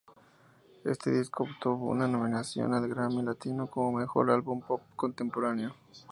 Este disco obtuvo una nominación al Grammy Latino como mejor álbum pop contemporáneo.